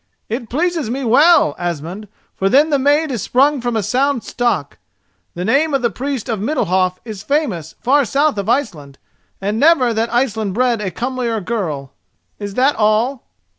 "It pleases me well, Asmund, for then the maid is sprung from a sound stock. The name of the Priest of Middalhof is famous far south of Iceland; and never that Iceland bred a comelier girl. Is that all?"